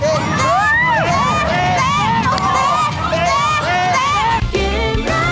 เตะเตะเตะ